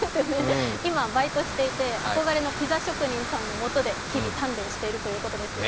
今、バイトしていて、あこがれのピザ職人さんのもとで日々、鍛練しているということですよ。